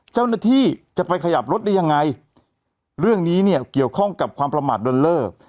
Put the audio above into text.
เจ้าหน้าที่จะไปขยับรถได้ยังไงเรื่องนี้เนี่ยเกี่ยวข้องกับความประมาทโดนเลิก